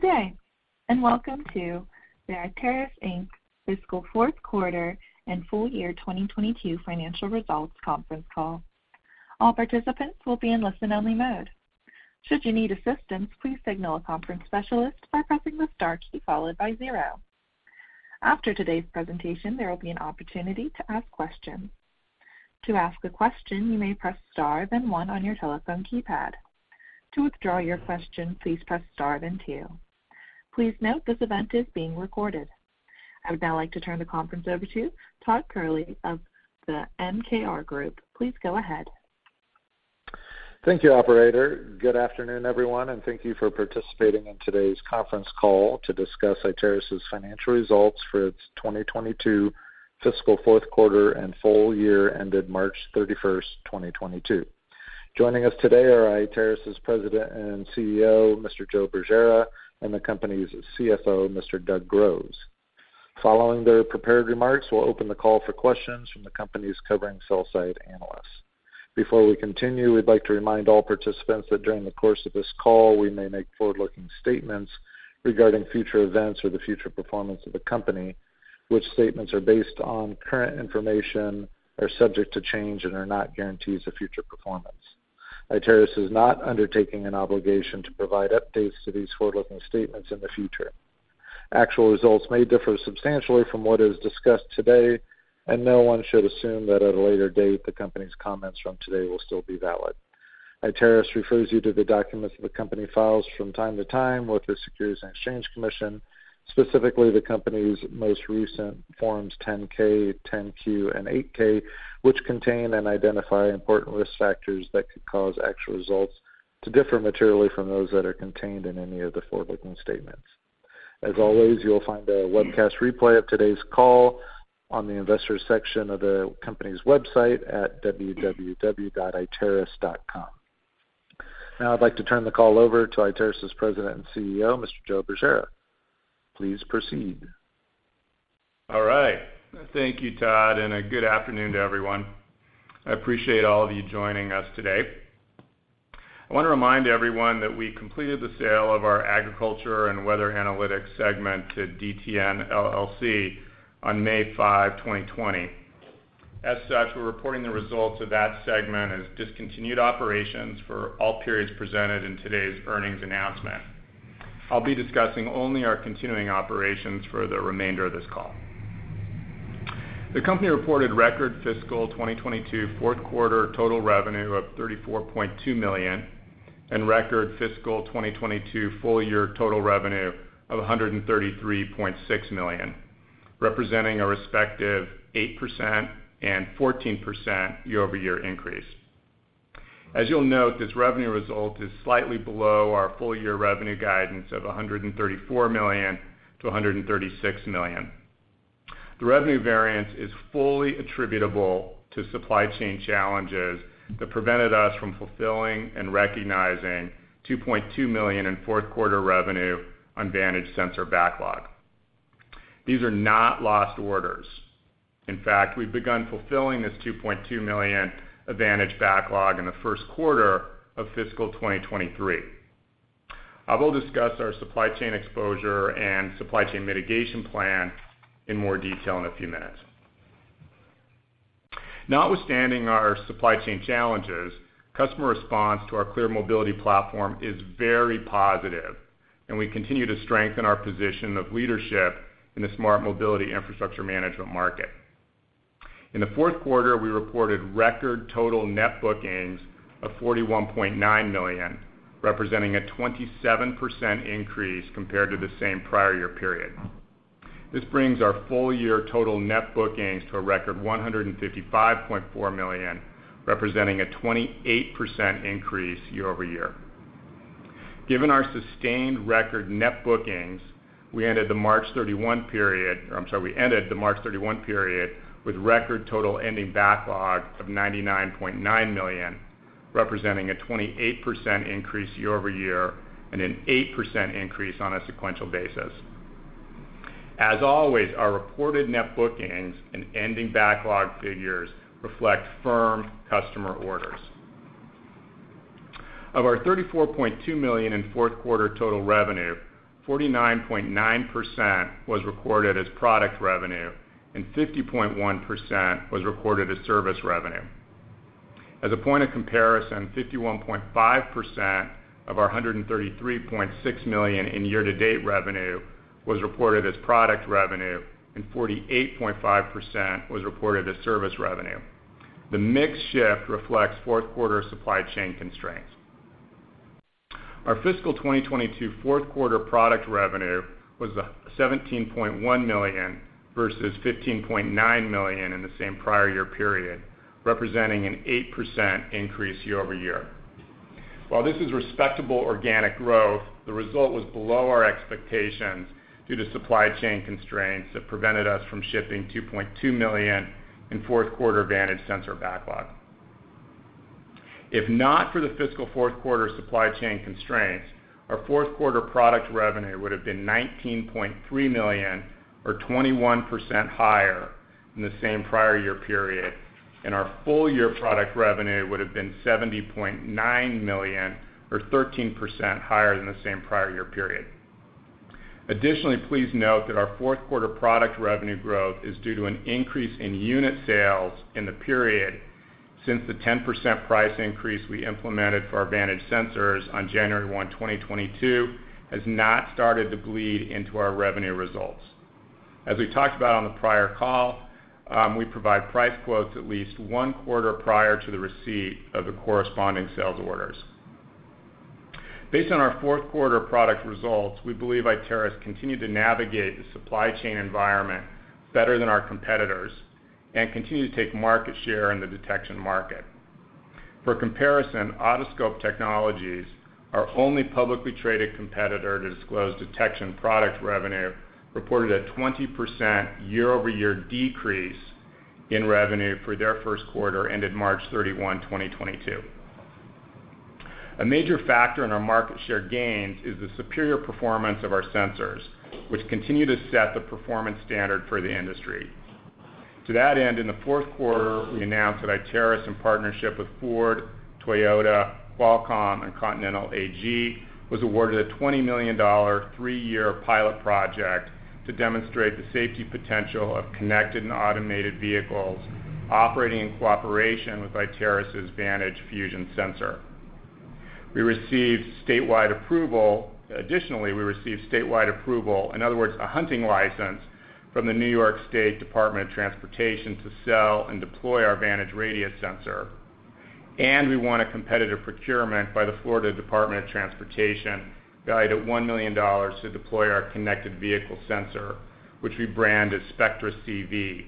Good day, and welcome to the Iteris, Inc. fiscal fourth quarter and full year 2022 financial results conference call. All participants will be in listen-only mode. Should you need assistance, please signal a conference specialist by pressing the star key followed by zero. After today's presentation, there will be an opportunity to ask questions. To ask a question, you may press star, then one on your telephone keypad. To withdraw your question, please press star, then two. Please note this event is being recorded. I would now like to turn the conference over to Todd Kehrli of the MKR Group. Please go ahead. Thank you, operator. Good afternoon, everyone, and thank you for participating in today's conference call to discuss Iteris' financial results for its 2022 fiscal fourth quarter and full year ended March 31st, 2022. Joining us today are Iteris' President and CEO, Mr. Joe Bergera, and the company's CFO, Mr. Doug Groves. Following their prepared remarks, we'll open the call for questions from the sell-side analysts covering the company. Before we continue, we'd like to remind all participants that during the course of this call, we may make forward-looking statements regarding future events or the future performance of the company, which statements are based on current information, are subject to change, and are not guarantees of future performance. Iteris is not undertaking an obligation to provide updates to these forward-looking statements in the future. Actual results may differ substantially from what is discussed today, and no one should assume that at a later date, the company's comments from today will still be valid. Iteris refers you to the documents the company files from time to time with the Securities and Exchange Commission, specifically the company's most recent Forms 10-K, 10-Q, and 8-K, which contain and identify important risk factors that could cause actual results to differ materially from those that are contained in any of the forward-looking statements. As always, you'll find a webcast replay of today's call on the investors section of the company's website at www.iteris.com. Now I'd like to turn the call over to Iteris' President and CEO, Mr. Joe Bergera. Please proceed. All right. Thank you, Todd, and a good afternoon to everyone. I appreciate all of you joining us today. I wanna remind everyone that we completed the sale of our agriculture and weather analytics segment to DTN, LLC on May 5, 2020. As such, we're reporting the results of that segment as discontinued operations for all periods presented in today's earnings announcement. I'll be discussing only our continuing operations for the remainder of this call. The company reported record fiscal 2022 fourth quarter total revenue of $34.2 million and record fiscal 2022 full year total revenue of $133.6 million, representing a respective 8% and 14% year-over-year increase. As you'll note, this revenue result is slightly below our full year revenue guidance of $134 million-$136 million. The revenue variance is fully attributable to supply chain challenges that prevented us from fulfilling and recognizing $2.2 million in fourth quarter revenue on Vantage sensor backlog. These are not lost orders. In fact, we've begun fulfilling this $2.2 million Vantage backlog in the first quarter of fiscal 2023. I will discuss our supply chain exposure and supply chain mitigation plan in more detail in a few minutes. Notwithstanding our supply chain challenges, customer response to our ClearMobility platform is very positive, and we continue to strengthen our position of leadership in the smart mobility infrastructure management market. In the fourth quarter, we reported record total net bookings of $41.9 million, representing a 27% increase compared to the same prior year period. This brings our full year total net bookings to a record $155.4 million, representing a 28% increase year-over-year. Given our sustained record net bookings, we ended the March 31 period with record total ending backlog of $99.9 million, representing a 28% increase year-over-year and an 8% increase on a sequential basis. As always, our reported net bookings and ending backlog figures reflect firm customer orders. Of our $34.2 million in fourth quarter total revenue, 49.9% was recorded as product revenue and 50.1% was recorded as service revenue. As a point of comparison, 51.5% of our $133.6 million in year-to-date revenue was reported as product revenue and 48.5% was reported as service revenue. The mix shift reflects fourth quarter supply chain constraints. Our fiscal 2022 fourth quarter product revenue was $17.1 million versus $15.9 million in the same prior year period, representing an 8% increase year-over-year. While this is respectable organic growth, the result was below our expectations due to supply chain constraints that prevented us from shipping $2.2 million in fourth quarter Vantage sensor backlog. If not for the fiscal fourth quarter supply chain constraints, our fourth quarter product revenue would have been $19.3 million or 21% higher in the same prior year period, and our full year product revenue would've been $70.9 million or 13% higher than the same prior year period. Additionally, please note that our fourth quarter product revenue growth is due to an increase in unit sales in the period since the 10% price increase we implemented for our Vantage sensors on January 1, 2022 has not started to bleed into our revenue results. As we talked about on the prior call, we provide price quotes at least one quarter prior to the receipt of the corresponding sales orders. Based on our fourth quarter product results, we believe Iteris continued to navigate the supply chain environment better than our competitors and continue to take market share in the detection market. For comparison, Autoscope Technologies, our only publicly traded competitor to disclose detection product revenue, reported a 20% year-over-year decrease in revenue for their first quarter ended March 31, 2022. A major factor in our market share gains is the superior performance of our sensors, which continue to set the performance standard for the industry. To that end, in the fourth quarter, we announced that Iteris, in partnership with Ford, Toyota, Qualcomm, and Continental AG, was awarded a $20 million three-year pilot project to demonstrate the safety potential of connected and automated vehicles operating in cooperation with Iteris' Vantage Fusion sensor. We received statewide approval, additionally we received statewide approval, in other words, a hunting license, from the New York State Department of Transportation to sell and deploy our VantageRadius sensor. We won a competitive procurement by the Florida Department of Transportation, valued at $1 million, to deploy our connected vehicle sensor, which we brand as Spectra CV.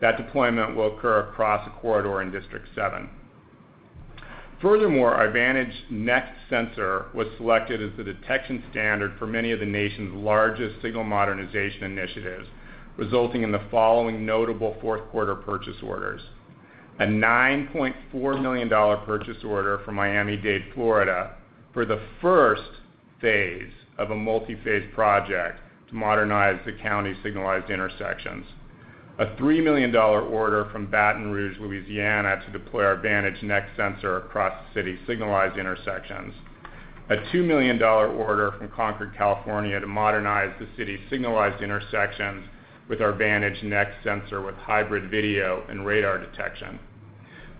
That deployment will occur across a corridor in District 7. Furthermore, our Vantage Next sensor was selected as the detection standard for many of the nation's largest signal modernization initiatives, resulting in the following notable fourth quarter purchase orders. A $9.4 million purchase order from Miami-Dade, Florida, for the first phase of a multi-phase project to modernize the county's signalized intersections. A $3 million order from Baton Rouge, Louisiana, to deploy our Vantage Next sensor across the city's signalized intersections. A $2 million order from Concord, California, to modernize the city's signalized intersections with our Vantage Next sensor with hybrid video and radar detection.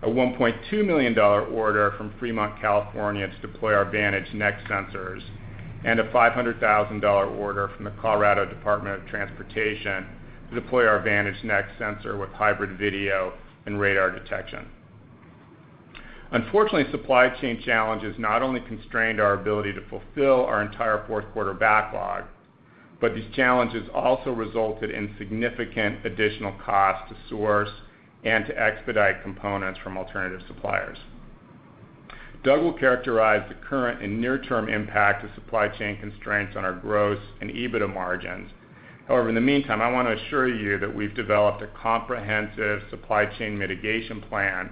A $1.2 million order from Fremont, California, to deploy our Vantage Next sensors. A $500,000 order from the Colorado Department of Transportation to deploy our Vantage Next sensor with hybrid video and radar detection. Unfortunately, supply chain challenges not only constrained our ability to fulfill our entire fourth quarter backlog, but these challenges also resulted in significant additional cost to source and to expedite components from alternative suppliers. Doug will characterize the current and near-term impact of supply chain constraints on our gross and EBITDA margins. However, in the meantime, I wanna assure you that we've developed a comprehensive supply chain mitigation plan,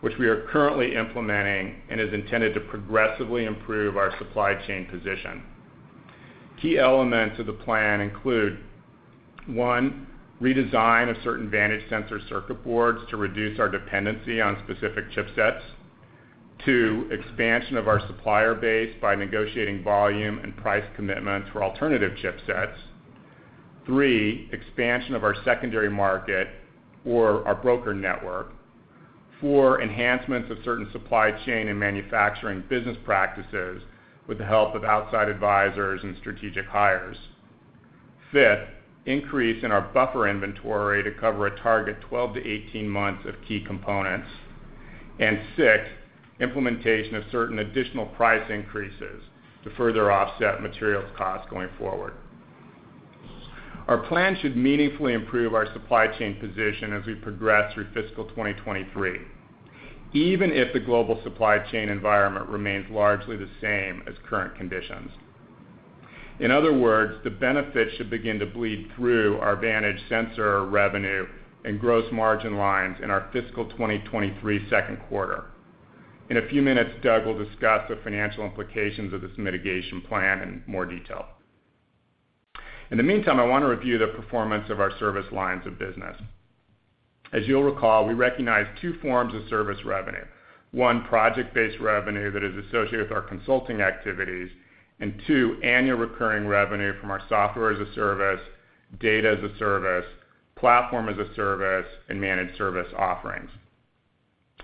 which we are currently implementing and is intended to progressively improve our supply chain position. Key elements of the plan include, one, redesign of certain Vantage sensor circuit boards to reduce our dependency on specific chipsets. Two, expansion of our supplier base by negotiating volume and price commitments for alternative chipsets. Three, expansion of our secondary market or our broker network. Four, enhancements of certain supply chain and manufacturing business practices with the help of outside advisors and strategic hires. Fifth, increase in our buffer inventory to cover a target 12-18 months of key components. Sixth, implementation of certain additional price increases to further offset materials costs going forward. Our plan should meaningfully improve our supply chain position as we progress through fiscal 2023, even if the global supply chain environment remains largely the same as current conditions. In other words, the benefits should begin to bleed through our Vantage sensor revenue and gross margin lines in our fiscal 2023 second quarter. In a few minutes, Doug will discuss the financial implications of this mitigation plan in more detail. In the meantime, I wanna review the performance of our service lines of business. As you'll recall, we recognize two forms of service revenue. One, project-based revenue that is associated with our consulting activities. Two, annual recurring revenue from our software as a service, data as a service, platform as a service, and managed service offerings.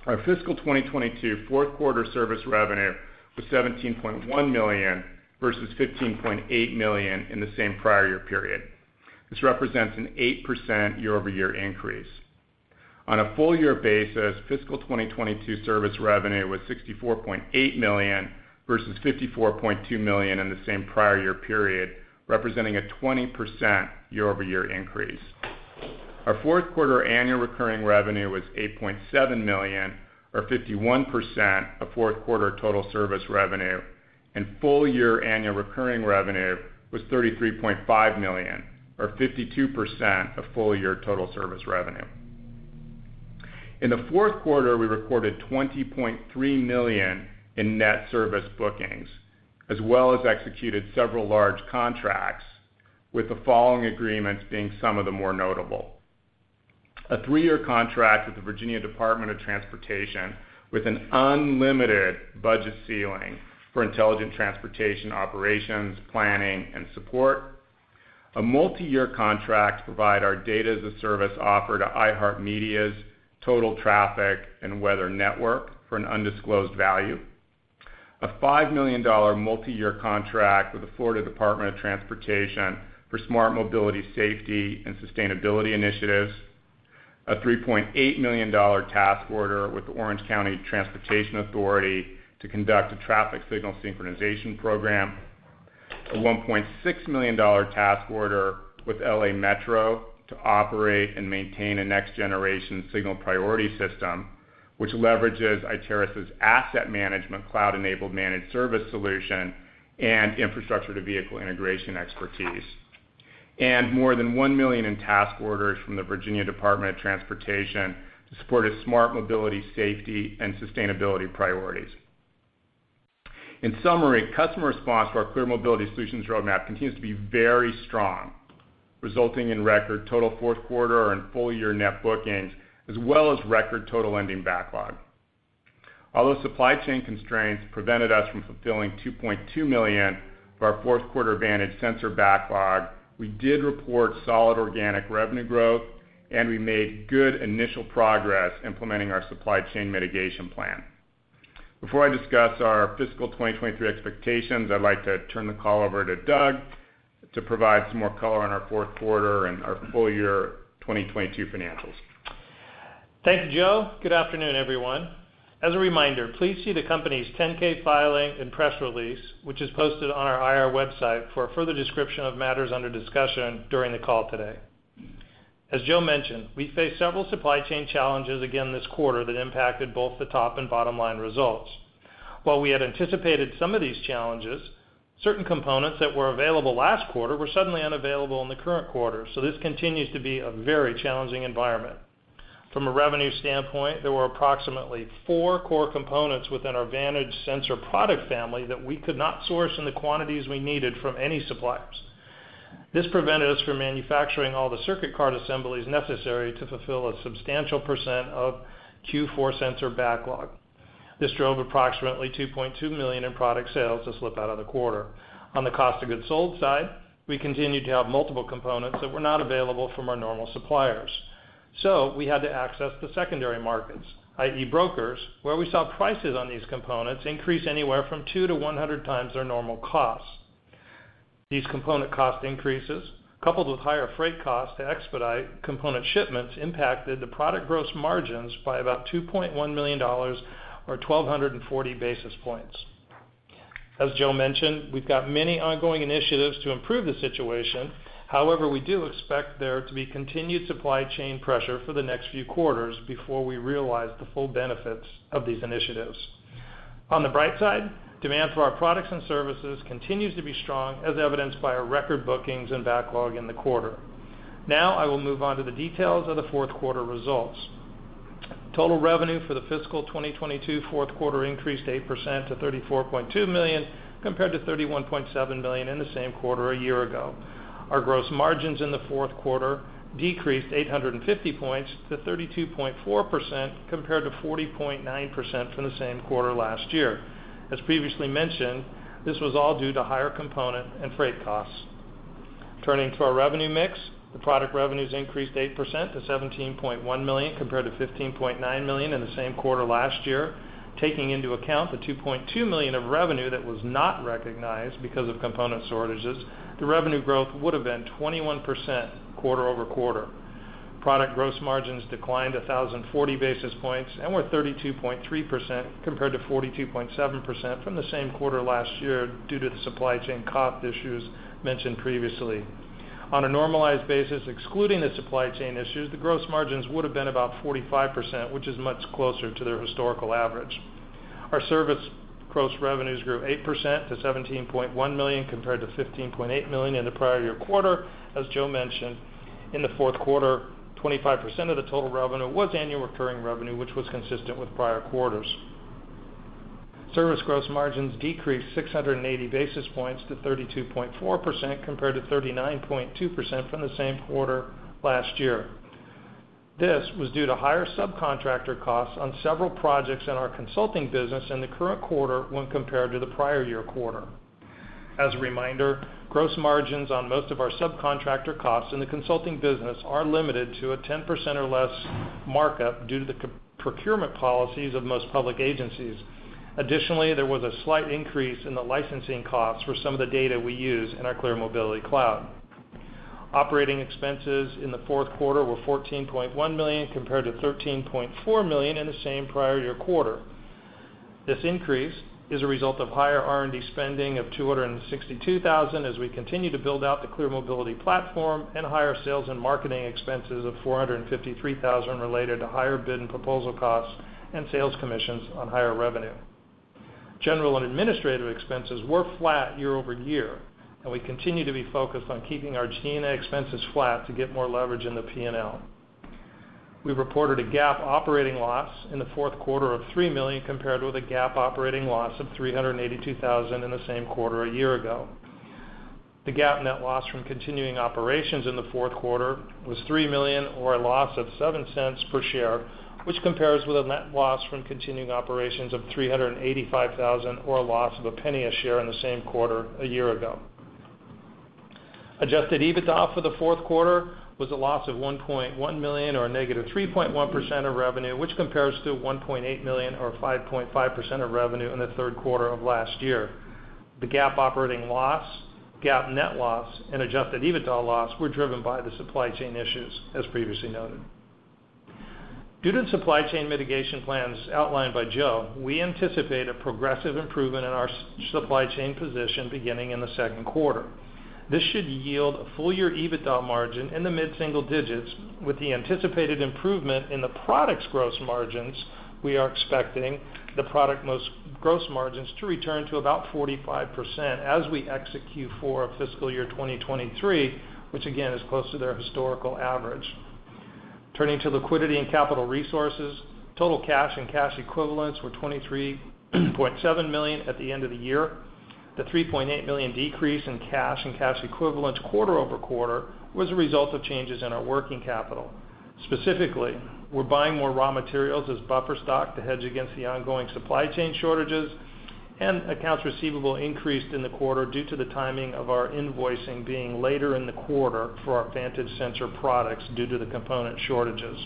Our fiscal 2022 fourth quarter service revenue was $17.1 million versus $15.8 million in the same prior year period. This represents an 8% year-over-year increase. On a full year basis, fiscal 2022 service revenue was $64.8 million versus $54.2 million in the same prior year period, representing a 20% year-over-year increase. Our fourth quarter annual recurring revenue was $8.7 million or 51% of fourth quarter total service revenue, and full year annual recurring revenue was $33.5 million or 52% of full year total service revenue. In the fourth quarter, we recorded $20.3 million in net service bookings, as well as executed several large contracts, with the following agreements being some of the more notable. A three-year contract with the Virginia Department of Transportation with an unlimited budget ceiling for intelligent transportation operations, planning, and support. A multi-year contract to provide our data as a service offer to iHeartMedia's Total Traffic & Weather Network for an undisclosed value. A $5 million multi-year contract with the Florida Department of Transportation for smart mobility, safety, and sustainability initiatives. A $3.8 million task order with Orange County Transportation Authority to conduct a traffic signal synchronization program. A $1.6 million task order with L.A. Metro to operate and maintain a next-generation signal priority system, which leverages Iteris' asset management, cloud-enabled managed service solution and infrastructure-to-vehicle integration expertise. More than $1 million in task orders from the Virginia Department of Transportation to support a smart mobility, safety, and sustainability priorities. In summary, customer response to our ClearMobility roadmap continues to be very strong, resulting in record total fourth quarter and full-year net bookings, as well as record total ending backlog. Although supply chain constraints prevented us from fulfilling $2.2 million for our fourth quarter Vantage sensor backlog, we did report solid organic revenue growth, and we made good initial progress implementing our supply chain mitigation plan. Before I discuss our fiscal 2023 expectations, I'd like to turn the call over to Doug to provide some more color on our fourth quarter and our full year 2022 financials. Thanks, Joe. Good afternoon, everyone. As a reminder, please see the company's 10-K filing and press release, which is posted on our IR website for a further description of matters under discussion during the call today. As Joe mentioned, we faced several supply chain challenges again this quarter that impacted both the top and bottom line results. While we had anticipated some of these challenges, certain components that were available last quarter were suddenly unavailable in the current quarter, so this continues to be a very challenging environment. From a revenue standpoint, there were approximately four core components within our Vantage sensor product family that we could not source in the quantities we needed from any suppliers. This prevented us from manufacturing all the circuit card assemblies necessary to fulfill a substantial percent of Q4 sensor backlog. This drove approximately $2.2 million in product sales to slip out of the quarter. On the cost of goods sold side, we continued to have multiple components that were not available from our normal suppliers. We had to access the secondary markets, i.e., brokers, where we saw prices on these components increase anywhere from two to 100x their normal costs. These component cost increases, coupled with higher freight costs to expedite component shipments, impacted the product gross margins by about $2.1 million or 1,240 basis points. As Joe mentioned, we've got many ongoing initiatives to improve the situation. However, we do expect there to be continued supply chain pressure for the next few quarters before we realize the full benefits of these initiatives. On the bright side, demand for our products and services continues to be strong, as evidenced by our record bookings and backlog in the quarter. Now I will move on to the details of the fourth quarter results. Total revenue for the fiscal 2022 fourth quarter increased 8% to $34.2 million, compared to $31.7 million in the same quarter a year ago. Our gross margins in the fourth quarter decreased 850 points to 32.4% compared to 40.9% from the same quarter last year. As previously mentioned, this was all due to higher component and freight costs. Turning to our revenue mix, the product revenues increased 8% to $17.1 million compared to $15.9 million in the same quarter last year. Taking into account the $2.2 million of revenue that was not recognized because of component shortages, the revenue growth would have been 21% quarter-over-quarter. Product gross margins declined 1,040 basis points and were 32.3% compared to 42.7% from the same quarter last year due to the supply chain COGS issues mentioned previously. On a normalized basis, excluding the supply chain issues, the gross margins would have been about 45%, which is much closer to their historical average. Our service gross revenues grew 8% to $17.1 million compared to $15.8 million in the prior year quarter. As Joe mentioned, in the fourth quarter, 25% of the total revenue was annual recurring revenue, which was consistent with prior quarters. Service gross margins decreased 680 basis points to 32.4% compared to 39.2% from the same quarter last year. This was due to higher subcontractor costs on several projects in our consulting business in the current quarter when compared to the prior year quarter. As a reminder, gross margins on most of our subcontractor costs in the consulting business are limited to a 10% or less markup due to the procurement policies of most public agencies. Additionally, there was a slight increase in the licensing costs for some of the data we use in our ClearMobility Cloud. Operating expenses in the fourth quarter were $14.1 million compared to $13.4 million in the same prior year quarter. This increase is a result of higher R&D spending of $262,000 as we continue to build out the ClearMobility platform and higher sales and marketing expenses of $453,000 related to higher bid and proposal costs and sales commissions on higher revenue. General and administrative expenses were flat year-over-year, and we continue to be focused on keeping our G&A expenses flat to get more leverage in the P&L. We reported a GAAP operating loss in the fourth quarter of $3 million compared with a GAAP operating loss of $382,000 in the same quarter a year ago. The GAAP net loss from continuing operations in the fourth quarter was $3 million or a loss of $0.07 per share, which compares with a net loss from continuing operations of $385,000, or a loss of $0.01 per share in the same quarter a year ago. Adjusted EBITDA for the fourth quarter was a loss of $1.1 million or a -3.1% of revenue, which compares to $1.8 million or 5.5% of revenue in the third quarter of last year. The GAAP operating loss, GAAP net loss, and adjusted EBITDA loss were driven by the supply chain issues, as previously noted. Due to the supply chain mitigation plans outlined by Joe, we anticipate a progressive improvement in our supply chain position beginning in the second quarter. This should yield a full year EBITDA margin in the mid-single digits%. With the anticipated improvement in the products' gross margins, we are expecting gross margins to return to about 45% as we execute for fiscal year 2023, which again, is close to their historical average. Turning to liquidity and capital resources. Total cash and cash equivalents were $23.7 million at the end of the year. The $3.8 million decrease in cash and cash equivalents quarter-over-quarter was a result of changes in our working capital. Specifically, we're buying more raw materials as buffer stock to hedge against the ongoing supply chain shortages, and accounts receivable increased in the quarter due to the timing of our invoicing being later in the quarter for our Vantage sensor products due to the component shortages.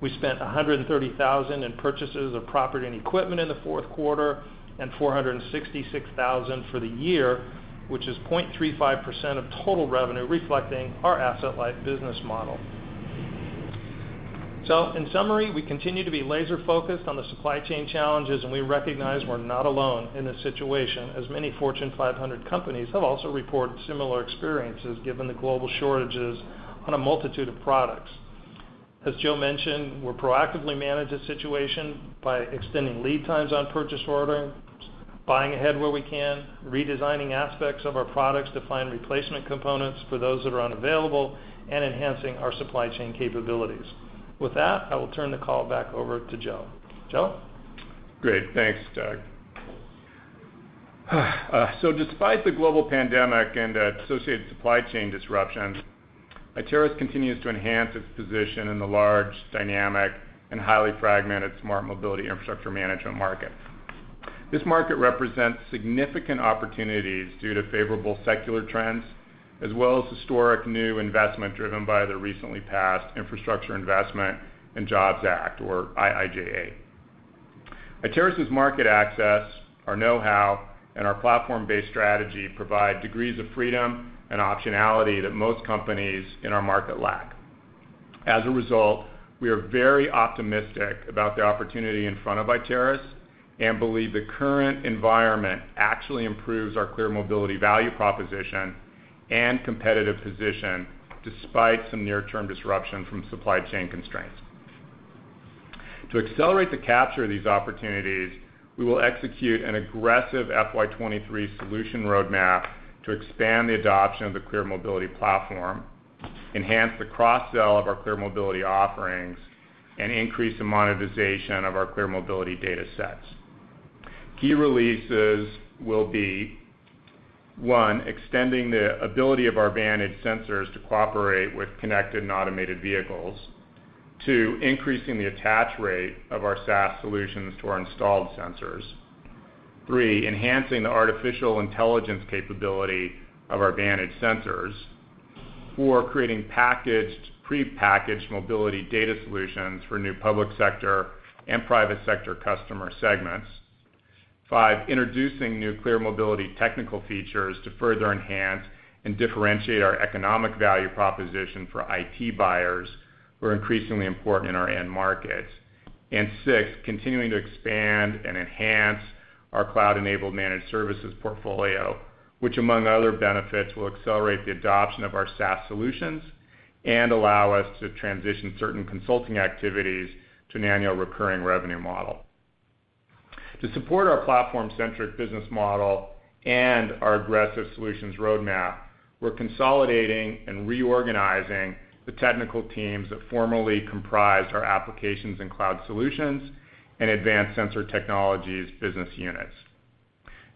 We spent $130,000 in purchases of property and equipment in the fourth quarter and $466,000 for the year, which is 0.35% of total revenue, reflecting our asset-light business model. In summary, we continue to be laser-focused on the supply chain challenges, and we recognize we're not alone in this situation as many Fortune 500 companies have also reported similar experiences given the global shortages on a multitude of products. As Joe mentioned, we'll proactively manage the situation by extending lead times on purchase ordering, buying ahead where we can, redesigning aspects of our products to find replacement components for those that are unavailable, and enhancing our supply chain capabilities. With that, I will turn the call back over to Joe. Joe? Great. Thanks, Doug. Despite the global pandemic and associated supply chain disruptions, Iteris continues to enhance its position in the large dynamic and highly fragmented smart mobility infrastructure management market. This market represents significant opportunities due to favorable secular trends as well as historic new investment driven by the recently passed Infrastructure Investment and Jobs Act, or IIJA. Iteris' market access, our know-how, and our platform-based strategy provide degrees of freedom and optionality that most companies in our market lack. As a result, we are very optimistic about the opportunity in front of Iteris and believe the current environment actually improves our ClearMobility value proposition and competitive position despite some near-term disruption from supply chain constraints. To accelerate the capture of these opportunities, we will execute an aggressive FY 2023 solution roadmap to expand the adoption of the ClearMobility platform, enhance the cross-sell of our ClearMobility offerings, and increase the monetization of our ClearMobility data sets. Key releases will be, one, extending the ability of our Vantage sensors to cooperate with connected and automated vehicles. Two, increasing the attach rate of our SaaS solutions to our installed sensors. Three, enhancing the artificial intelligence capability of our Vantage sensors. Four, creating prepackaged mobility data solutions for new public sector and private sector customer segments. Five, introducing new ClearMobility technical features to further enhance and differentiate our economic value proposition for IT buyers who are increasingly important in our end markets. And six, continuing to expand and enhance our cloud-enabled managed services portfolio, which among other benefits, will accelerate the adoption of our SaaS solutions and allow us to transition certain consulting activities to an annual recurring revenue model. To support our platform-centric business model and our aggressive solutions roadmap, we're consolidating and reorganizing the technical teams that formerly comprised our applications and cloud solutions and Advanced Sensor Technologies business units.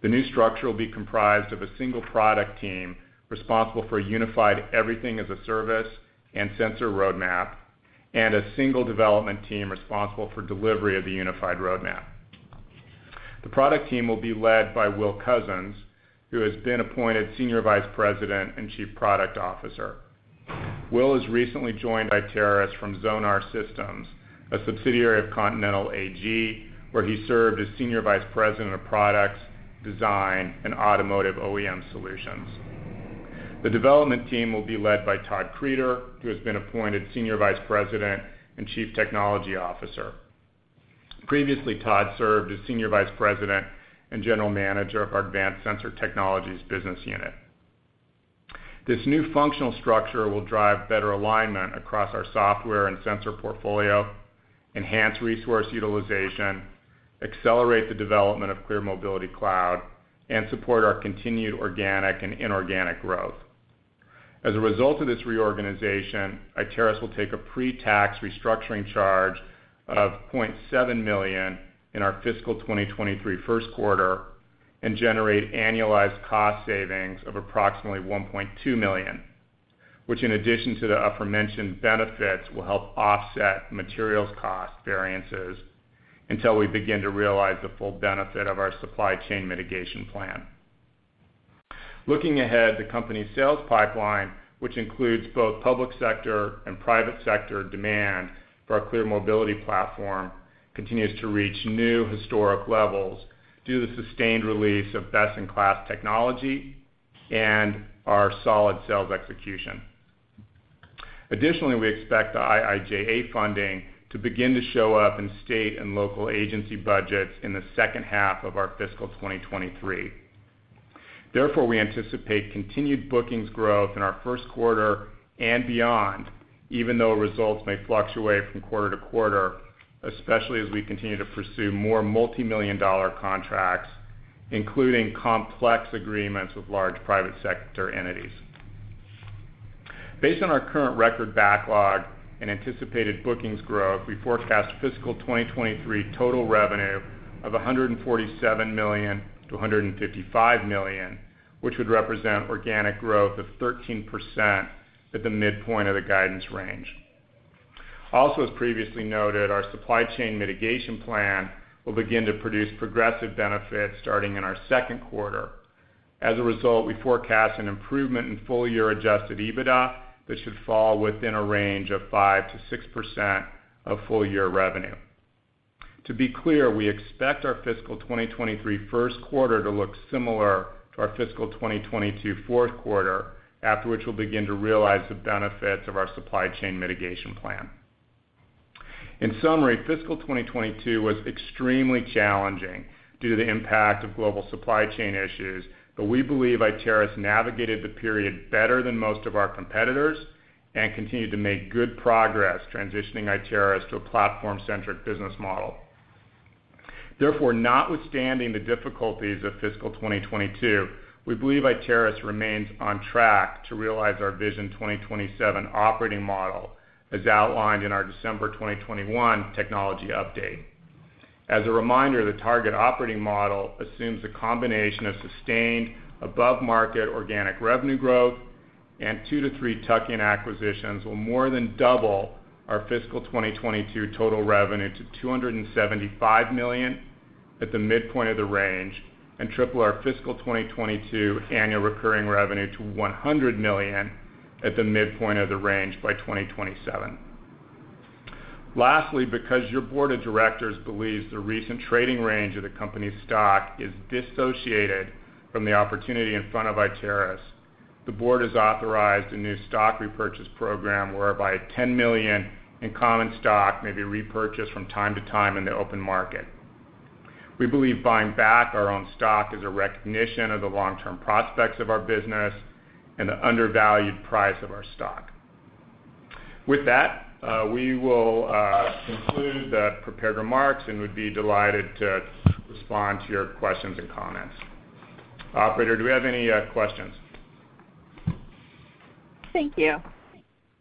The new structure will be comprised of a single product team responsible for a unified everything as a service and sensor roadmap, and a single development team responsible for delivery of the unified roadmap. The product team will be led by Will Cousins, who has been appointed Senior Vice President and Chief Product Officer. Will has recently joined Iteris from Zonar Systems, a subsidiary of Continental AG, where he served as Senior Vice President of Products, Design, and Automotive OEM Solutions. The development team will be led by Todd Kreter, who has been appointed Senior Vice President and Chief Technology Officer. Previously, Todd served as Senior Vice President and General Manager of our Advanced Sensor Technologies business unit. This new functional structure will drive better alignment across our software and sensor portfolio, enhance resource utilization, accelerate the development of ClearMobility Cloud, and support our continued organic and inorganic growth. As a result of this reorganization, Iteris will take a pre-tax restructuring charge of $0.7 million in our fiscal 2023 first quarter and generate annualized cost savings of approximately $1.2 million, which in addition to the aforementioned benefits, will help offset materials cost variances until we begin to realize the full benefit of our supply chain mitigation plan. Looking ahead, the company's sales pipeline, which includes both public sector and private sector demand for our ClearMobility platform, continues to reach new historic levels due to the sustained release of best-in-class technology and our solid sales execution. Additionally, we expect the IIJA funding to begin to show up in state and local agency budgets in the second half of our fiscal 2023. Therefore, we anticipate continued bookings growth in our first quarter and beyond, even though results may fluctuate from quarter to quarter, especially as we continue to pursue more multimillion-dollar contracts, including complex agreements with large private sector entities. Based on our current record backlog and anticipated bookings growth, we forecast fiscal 2023 total revenue of $147 million-$155 million, which would represent organic growth of 13% at the midpoint of the guidance range. Also, as previously noted, our supply chain mitigation plan will begin to produce progressive benefits starting in our second quarter. As a result, we forecast an improvement in full-year adjusted EBITDA that should fall within a range of 5%-6% of full-year revenue. To be clear, we expect our fiscal 2023 first quarter to look similar to our fiscal 2022 fourth quarter, after which we'll begin to realize the benefits of our supply chain mitigation plan. In summary, fiscal 2022 was extremely challenging due to the impact of global supply chain issues, but we believe Iteris navigated the period better than most of our competitors and continued to make good progress transitioning Iteris to a platform-centric business model. Therefore, notwithstanding the difficulties of fiscal 2022, we believe Iteris remains on track to realize our Vision 2027 operating model, as outlined in our December 2021 technology update. As a reminder, the target operating model assumes a combination of sustained above-market organic revenue growth and two to three tuck-in acquisitions will more than double our fiscal 2022 total revenue to $275 million at the midpoint of the range and triple our fiscal 2022 annual recurring revenue to $100 million at the midpoint of the range by 2027. Lastly, because your board of directors believes the recent trading range of the company's stock is dissociated from the opportunity in front of Iteris, the board has authorized a new stock repurchase program whereby $10 million in common stock may be repurchased from time to time in the open market. We believe buying back our own stock is a recognition of the long-term prospects of our business and the undervalued price of our stock. With that, we will conclude the prepared remarks and would be delighted to respond to your questions and comments. Operator, do we have any questions? Thank you.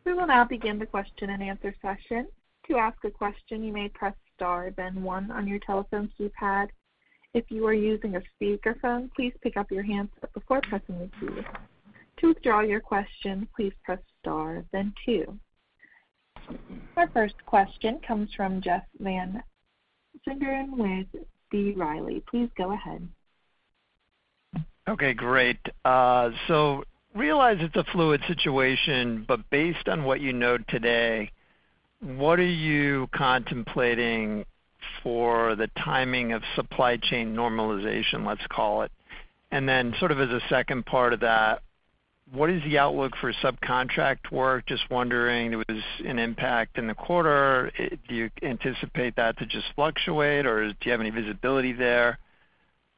We will now begin the question-and-answer session. To ask a question, you may press star then one on your telephone keypad. If you are using a speakerphone, please pick up your handset before pressing the key. To withdraw your question, please press star then two. Our first question comes from Jeff Van Sinderen with B. Riley. Please go ahead. Okay, great. Realize it's a fluid situation, but based on what you know today, what are you contemplating for the timing of supply chain normalization, let's call it? Sort of as a second part of that, what is the outlook for subcontract work? Just wondering if there was an impact in the quarter. Do you anticipate that to just fluctuate, or do you have any visibility there?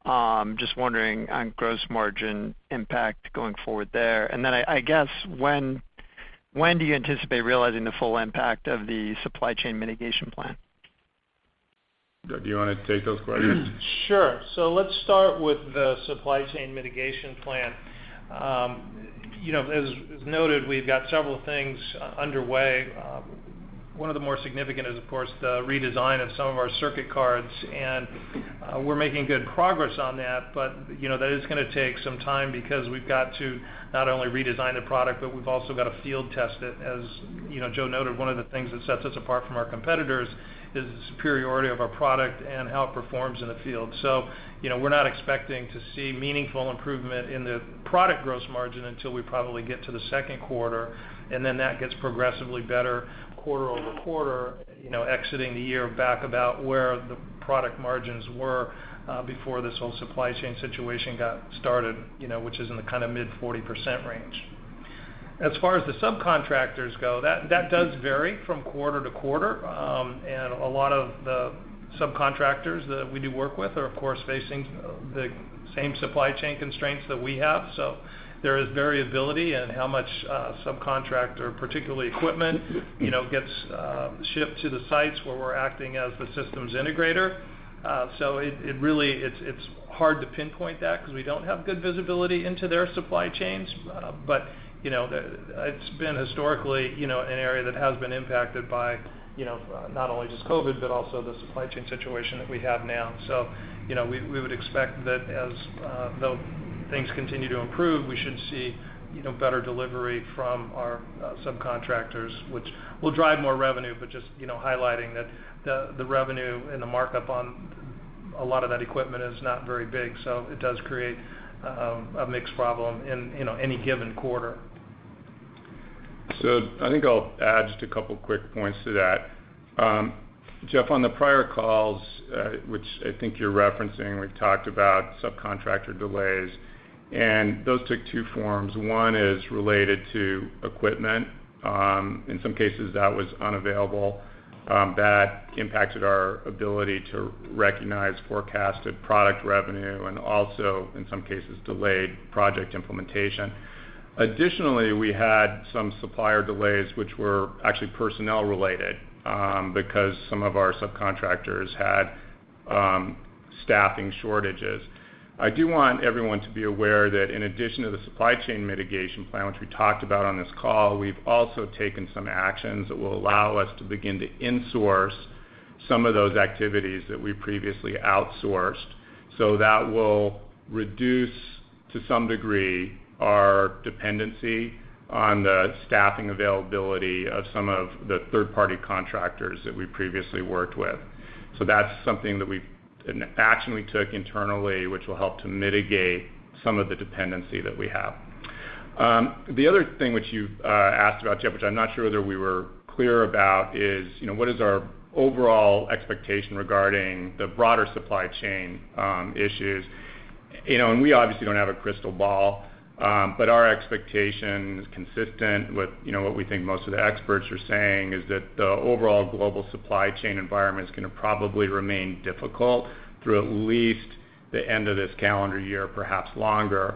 Just wondering on gross margin impact going forward there. I guess, when do you anticipate realizing the full impact of the supply chain mitigation plan? Do you wanna take those questions? Sure. Let's start with the supply chain mitigation plan. You know, as noted, we've got several things underway. One of the more significant is, of course, the redesign of some of our circuit cards, and we're making good progress on that. You know, that is gonna take some time because we've got to not only redesign the product, but we've also got to field test it. As you know, Joe noted, one of the things that sets us apart from our competitors is the superiority of our product and how it performs in the field. You know, we're not expecting to see meaningful improvement in the product gross margin until we probably get to the second quarter, and then that gets progressively better quarter-over-quarter, you know, exiting the year back about where the product margins were before this whole supply chain situation got started, you know, which is in the kind of mid-40% range. As far as the subcontractors go, that does vary from quarter to quarter. A lot of the subcontractors that we do work with are, of course, facing the same supply chain constraints that we have. There is variability in how much subcontractor, particularly equipment, you know, gets shipped to the sites where we're acting as the systems integrator. It's hard to pinpoint that because we don't have good visibility into their supply chains. It's been historically, you know, an area that has been impacted by, you know, not only just COVID, but also the supply chain situation that we have now. You know, we would expect that as though things continue to improve, we should see, you know, better delivery from our subcontractors, which will drive more revenue, but just, you know, highlighting that the revenue and the markup on a lot of that equipment is not very big. It does create a mix problem in, you know, any given quarter. I think I'll add just a couple of quick points to that. Jeff, on the prior calls, which I think you're referencing, we've talked about subcontractor delays, and those took two forms. One is related to equipment. In some cases, that was unavailable, that impacted our ability to recognize forecasted product revenue and also in some cases delayed project implementation. Additionally, we had some supplier delays which were actually personnel related, because some of our subcontractors had staffing shortages. I do want everyone to be aware that in addition to the supply chain mitigation plan, which we talked about on this call, we've also taken some actions that will allow us to begin to insource some of those activities that we previously outsourced. That will reduce to some degree our dependency on the staffing availability of some of the third-party contractors that we previously worked with. That's something, an action we took internally, which will help to mitigate some of the dependency that we have. The other thing which you asked about, Jeff, which I'm not sure whether we were clear about, is, you know, what is our overall expectation regarding the broader supply chain issues? You know, we obviously don't have a crystal ball, but our expectation is consistent with, you know, what we think most of the experts are saying is that the overall global supply chain environment is gonna probably remain difficult through at least the end of this calendar year, perhaps longer.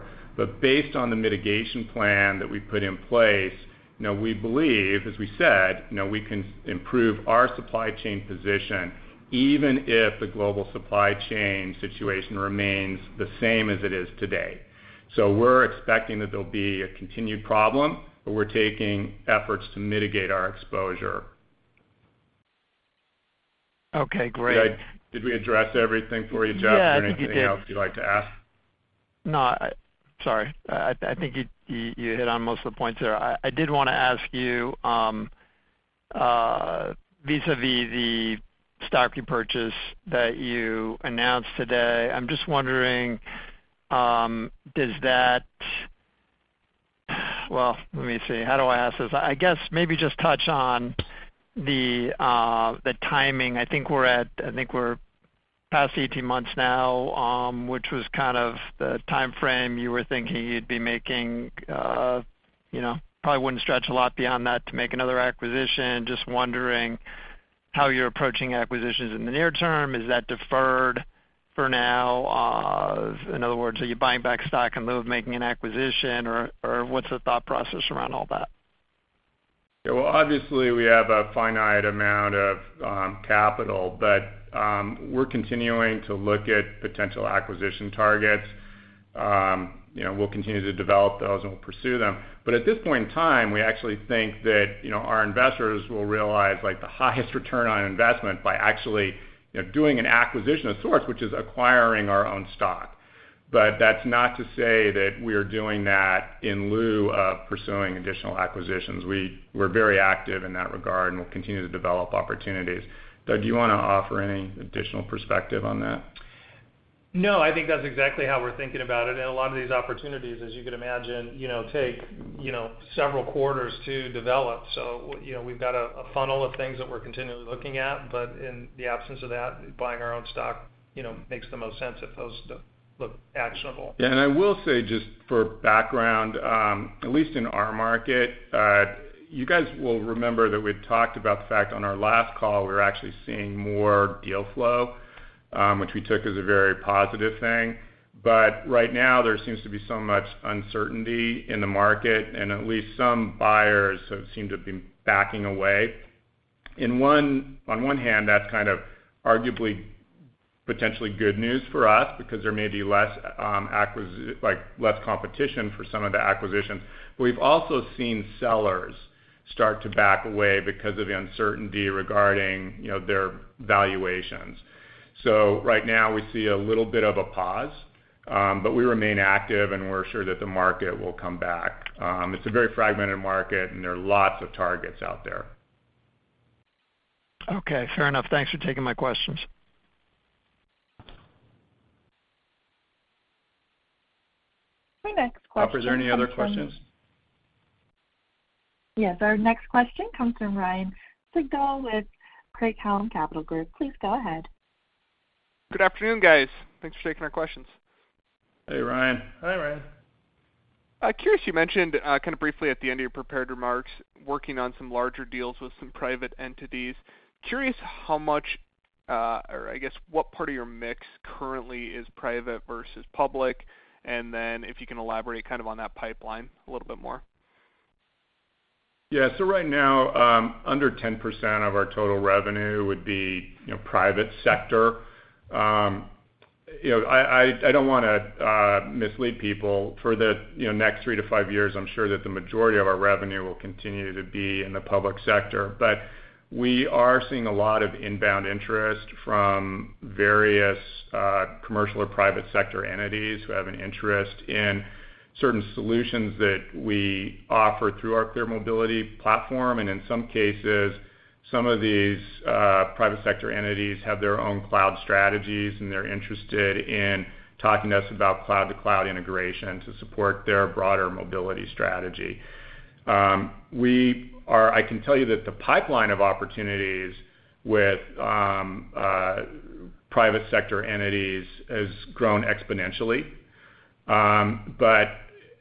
based on the mitigation plan that we put in place, you know, we believe, as we said, you know, we can improve our supply chain position even if the global supply chain situation remains the same as it is today. We're expecting that there'll be a continued problem, but we're taking efforts to mitigate our exposure. Okay, great. Did we address everything for you, Jeff? Yeah, I think you did. Is there anything else you'd like to ask? No. Sorry. I think you hit on most of the points there. I did want to ask you vis-à-vis the stock repurchase that you announced today. I'm just wondering. How do I ask this? I guess maybe just touch on the timing. I think we're past 18 months now, which was kind of the timeframe you were thinking you'd be making, you know, probably wouldn't stretch a lot beyond that to make another acquisition. Just wondering how you're approaching acquisitions in the near term. Is that deferred for now? In other words, are you buying back stock in lieu of making an acquisition or what's the thought process around all that? Yeah. Well, obviously, we have a finite amount of capital, but we're continuing to look at potential acquisition targets. You know, we'll continue to develop those, and we'll pursue them. But at this point in time, we actually think that, you know, our investors will realize, like, the highest return on investment by actually, you know, doing an acquisition of sorts, which is acquiring our own stock. But that's not to say that we're doing that in lieu of pursuing additional acquisitions. We're very active in that regard, and we'll continue to develop opportunities. Doug, do you wanna offer any additional perspective on that? No, I think that's exactly how we're thinking about it. A lot of these opportunities, as you can imagine, you know, take, you know, several quarters to develop. You know, we've got a funnel of things that we're continually looking at. In the absence of that, buying our own stock, you know, makes the most sense if those don't look actionable. Yeah. I will say just for background, at least in our market, you guys will remember that we talked about the fact on our last call, we were actually seeing more deal flow, which we took as a very positive thing. Right now, there seems to be so much uncertainty in the market, and at least some buyers have seemed to be backing away. On one hand, that's kind of arguably potentially good news for us because there may be less, like, less competition for some of the acquisitions. We've also seen sellers start to back away because of the uncertainty regarding, you know, their valuations. Right now, we see a little bit of a pause, but we remain active, and we're sure that the market will come back. It's a very fragmented market, and there are lots of targets out there. Okay, fair enough. Thanks for taking my questions. The next question comes from. Operator, is there any other questions? Yes. Our next question comes from Ryan Sigdahl with Craig-Hallum Capital Group. Please go ahead. Good afternoon, guys. Thanks for taking our questions. Hey, Ryan. Hi, Ryan. Curious, you mentioned, kind of briefly at the end of your prepared remarks, working on some larger deals with some private entities. Curious how much, or I guess, what part of your mix currently is private versus public? Then if you can elaborate kind of on that pipeline a little bit more. Yeah. Right now, under 10% of our total revenue would be, you know, private sector. You know, I don't wanna mislead people. For the, you know, next three to five years, I'm sure that the majority of our revenue will continue to be in the public sector. We are seeing a lot of inbound interest from various, commercial or private sector entities who have an interest in certain solutions that we offer through our ClearMobility platform. In some cases, some of these, private sector entities have their own cloud strategies, and they're interested in talking to us about cloud-to-cloud integration to support their broader mobility strategy. I can tell you that the pipeline of opportunities with, private sector entities has grown exponentially. But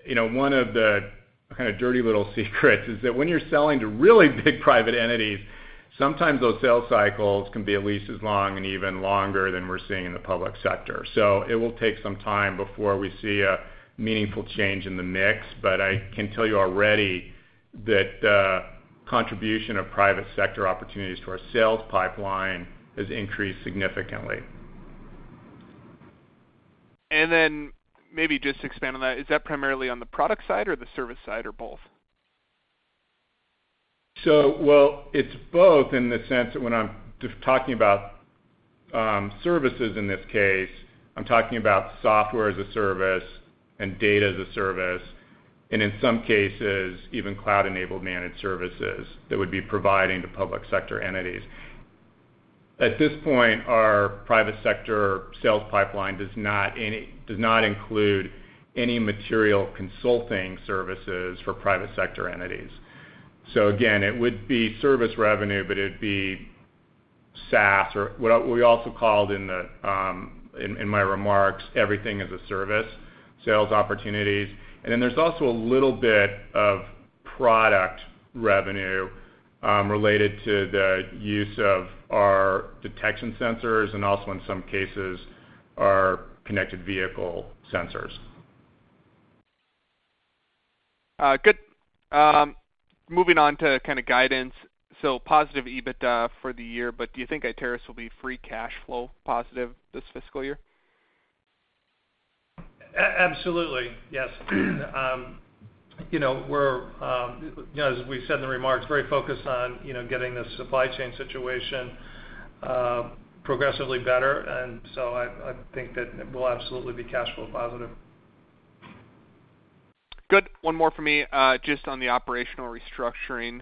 you know, one of the kind of dirty little secrets is that when you're selling to really big private entities, sometimes those sales cycles can be at least as long and even longer than we're seeing in the public sector. It will take some time before we see a meaningful change in the mix, but I can tell you already that the contribution of private sector opportunities to our sales pipeline has increased significantly. And then, maybe just expand on that. Is that primarily on the product side or the service side or both? Well, it's both in the sense that when I'm just talking about services in this case, I'm talking about software as a service and data as a service, and in some cases, even cloud-enabled managed services that would be providing to public sector entities. At this point, our private sector sales pipeline does not include any material consulting services for private sector entities. Again, it would be service revenue, but it'd be SaaS or what we also called in the in my remarks, everything as a service sales opportunities. Then there's also a little bit of product revenue related to the use of our detection sensors and also in some cases, our connected vehicle sensors. Good. Moving on to kinda guidance. Positive EBITDA for the year, but do you think Iteris will be free cash flow positive this fiscal year? Absolutely, yes. You know, we're you know, as we said in the remarks, very focused on you know, getting the supply chain situation progressively better. I think that we'll absolutely be cash flow positive. Good. One more for me, just on the operational restructuring.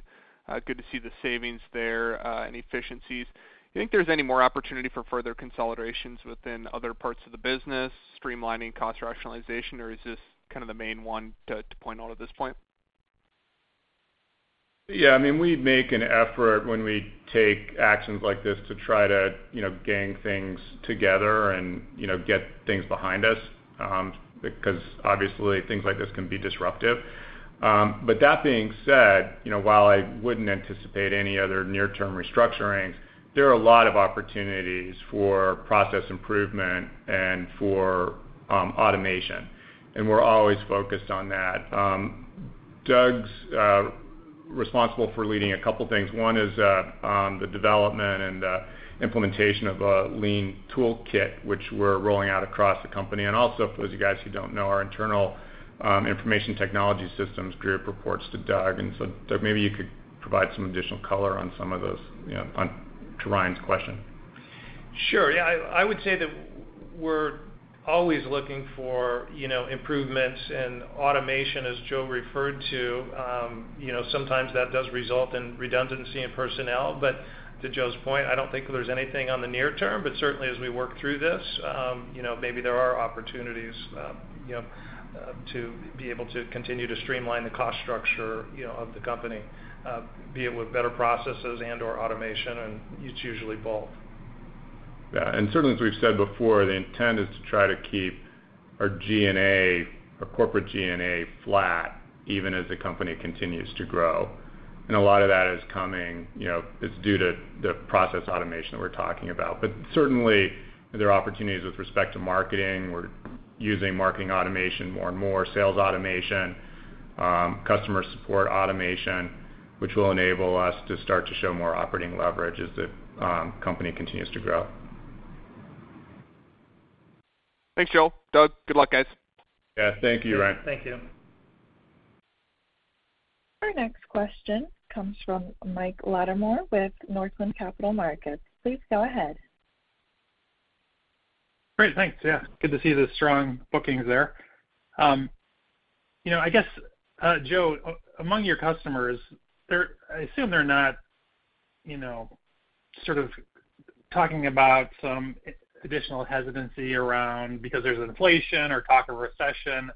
Good to see the savings there, and efficiencies. You think there's any more opportunity for further consolidations within other parts of the business, streamlining cost rationalization, or is this kind of the main one to point out at this point? Yeah. I mean, we make an effort when we take actions like this to try to, you know, gang things together and, you know, get things behind us, because obviously, things like this can be disruptive. That being said, you know, while I wouldn't anticipate any other near-term restructurings, there are a lot of opportunities for process improvement and for automation, and we're always focused on that. Doug's responsible for leading a couple things. One is on the development and the implementation of a lean toolkit, which we're rolling out across the company. Also for you guys who don't know, our internal information technology systems group reports to Doug, and so Doug, maybe you could provide some additional color on some of those, you know, on to Ryan's question. Sure. Yeah. I would say that we're always looking for, you know, improvements and automation, as Joe referred to. You know, sometimes that does result in redundancy in personnel. To Joe's point, I don't think there's anything on the near term, but certainly as we work through this, you know, maybe there are opportunities to be able to continue to streamline the cost structure, you know, of the company, be it with better processes and/or automation, and it's usually both. Yeah. Certainly, as we've said before, the intent is to try to keep our G&A, our corporate G&A flat even as the company continues to grow. A lot of that is due to the process automation that we're talking about. Certainly, there are opportunities with respect to marketing. We're using marketing automation more and more, sales automation, customer support automation, which will enable us to start to show more operating leverage as the company continues to grow. Thanks, Joe. Doug, good luck, guys. Yeah. Thank you, Ryan. Thank you. Our next question comes from Mike Latimore with Northland Capital Markets. Please go ahead. Great. Thanks. Yeah. Good to see the strong bookings there. I guess, Joe, among your customers, I assume they're not, you know, sort of talking about some additional hesitancy around because there's inflation or talk of recession.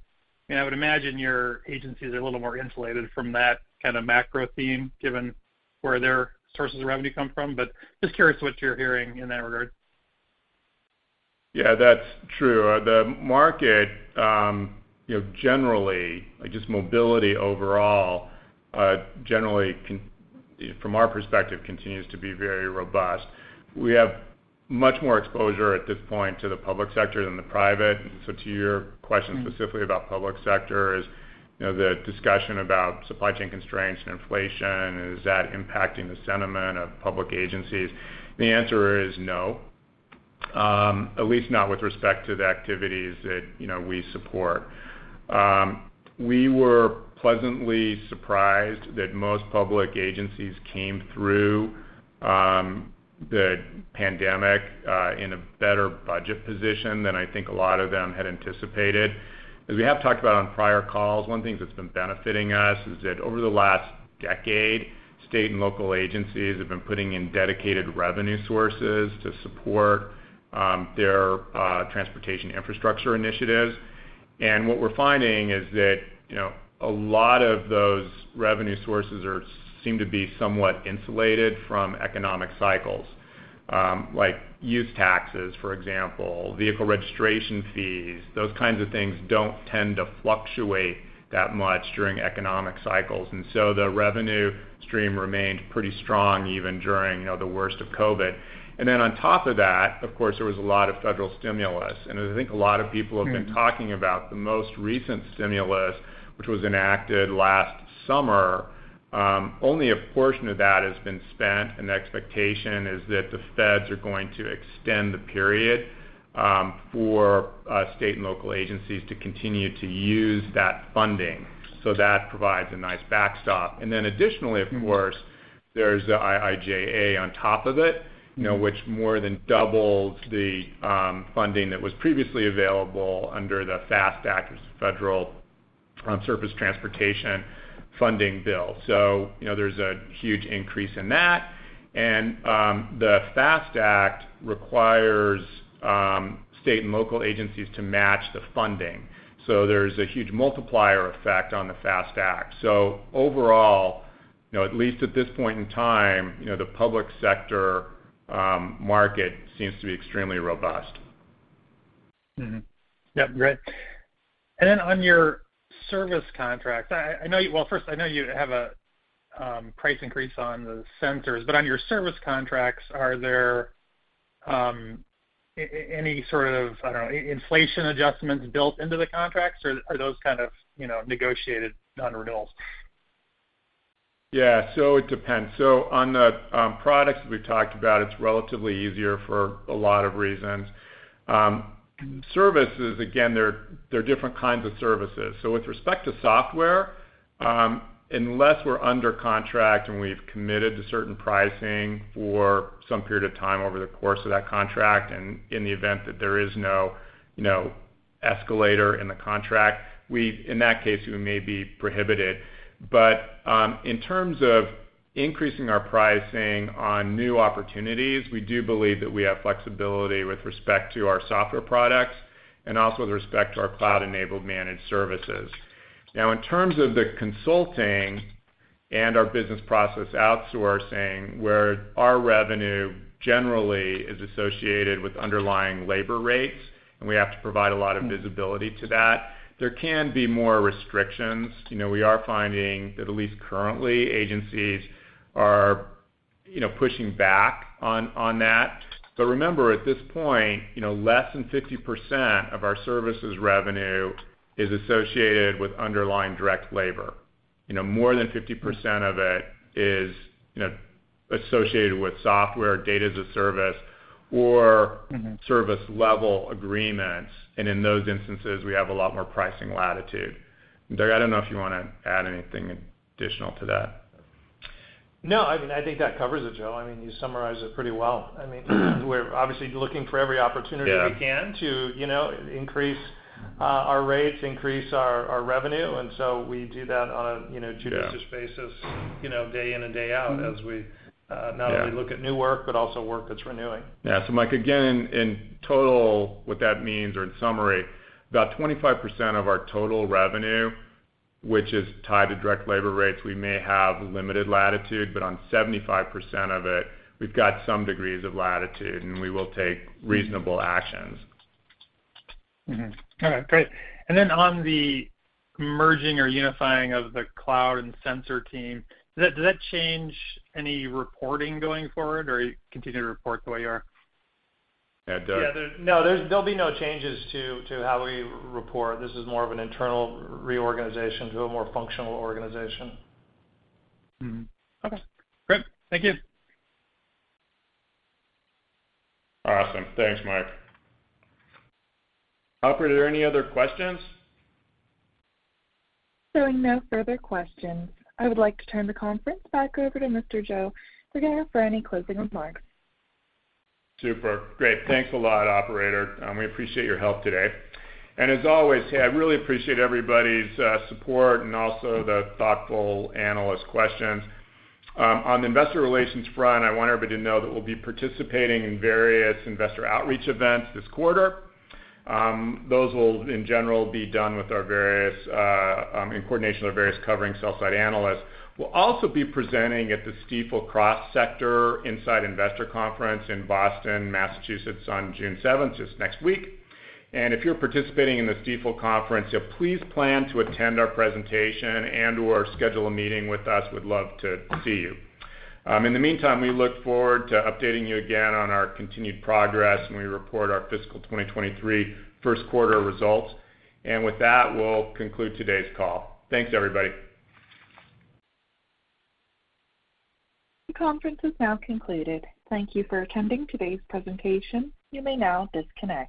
I would imagine your agencies are a little more insulated from that kind of macro theme, given where their sources of revenue come from. But just curious what you're hearing in that regard. Yeah, that's true. The market, you know, generally, I guess mobility overall, generally from our perspective continues to be very robust. We have much more exposure at this point to the public sector than the private. To your question specifically about public sector is, you know, the discussion about supply chain constraints and inflation, is that impacting the sentiment of public agencies? The answer is no. At least not with respect to the activities that, you know, we support. We were pleasantly surprised that most public agencies came through the pandemic in a better budget position than I think a lot of them had anticipated. As we have talked about on prior calls, one thing that's been benefiting us is that over the last decade, state and local agencies have been putting in dedicated revenue sources to support their transportation infrastructure initiatives. What we're finding is that a lot of those revenue sources seem to be somewhat insulated from economic cycles, like use taxes, for example, vehicle registration fees. Those kinds of things don't tend to fluctuate that much during economic cycles. The revenue stream remained pretty strong even during the worst of COVID. On top of that, of course, there was a lot of federal stimulus. I think a lot of people have been talking about the most recent stimulus, which was enacted last summer. Only a portion of that has been spent, and the expectation is that the feds are going to extend the period for state and local agencies to continue to use that funding, so that provides a nice backstop. Additionally, of course, there's the IIJA on top of it, you know, which more than doubles the funding that was previously available under the FAST Act, which is Federal on Surface Transportation funding bill. You know, there's a huge increase in that. The FAST Act requires state and local agencies to match the funding. There's a huge multiplier effect on the FAST Act. Overall, you know, at least at this point in time, you know, the public sector market seems to be extremely robust. Yep, great. On your service contract, I know you—well, first, I know you have a price increase on the sensors. On your service contracts, are there any sort of, I don't know, inflation adjustments built into the contracts, or are those kind of, you know, negotiated on renewals? Yeah. So it depends. So, on the products that we talked about, it's relatively easier for a lot of reasons. Services, again, they're different kinds of services. With respect to software, unless we're under contract, and we've committed to certain pricing for some period of time over the course of that contract and in the event that there is no, you know, escalator in the contract, in that case, we may be prohibited. In terms of increasing our pricing on new opportunities, we do believe that we have flexibility with respect to our software products and also with respect to our cloud-enabled managed services. Now, in terms of the consulting and our business process outsourcing, where our revenue generally is associated with underlying labor rates, and we have to provide a lot of visibility to that, there can be more restrictions. You know, we are finding that at least currently, agencies are, you know, pushing back on that. Remember, at this point, you know, less than 50% of our services revenue is associated with underlying direct labor. You know, more than 50% of it is, you know, associated with software, data as a service, or. Mm-hmm Service level agreements. In those instances, we have a lot more pricing latitude. Doug, I don't know if you wanna add anything additional to that? No, I mean, I think that covers it, Joe. I mean, you summarized it pretty well. I mean, we're obviously looking for every opportunity. Yeah We can to, you know, increase our rates, increase our revenue, and so we do that on a, you know. Yeah Judicious basis, you know, day in and day out as we Yeah Not only look at new work, but also work that's renewing. Yeah. Mike, again, in total what that means or in summary, about 25% of our total revenue, which is tied to direct labor rates, we may have limited latitude, but on 75% of it, we've got some degrees of latitude, and we will take reasonable actions. All right, great. On the merging or unifying of the cloud and sensor team, does that change any reporting going forward, or you continue to report the way you are? Yeah, Doug. Yeah. There'll be no changes to how we report. This is more of an internal reorganization to a more functional organization. Mm-hmm. Okay, great. Thank you. Awesome. Thanks, Mike. Operator, are there any other questions? Showing no further questions. I would like to turn the conference back over to Mr. Joe Bergera for any closing remarks. Super. Great. Thanks a lot, operator. We appreciate your help today. And as always, hey, I really appreciate everybody's support and also the thoughtful analyst questions. On the investor relations front, I want everybody to know that we'll be participating in various investor outreach events this quarter. Those will in general be done in coordination with our various covering sell-side analysts. We'll also be presenting at the Stifel Cross Sector Insight Investor Conference in Boston, Massachusetts on June 7th, just next week. If you're participating in the Stifel conference, please plan to attend our presentation and/or schedule a meeting with us. We'd love to see you. In the meantime, we look forward to updating you again on our continued progress when we report our fiscal 2023 first quarter results. With that, we'll conclude today's call. Thanks, everybody. The conference is now concluded. Thank you for attending today's presentation. You may now disconnect.